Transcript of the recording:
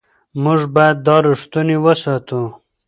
موږ باید دا رښتینولي وساتو.